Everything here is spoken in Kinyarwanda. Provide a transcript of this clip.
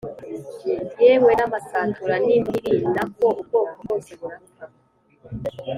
yewe n’amasatura n’impiri nako ubwoko bwose burapfa